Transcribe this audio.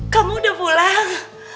kamu udah pulang